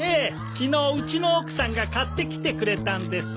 昨日うちの奥さんが買ってきてくれたんです。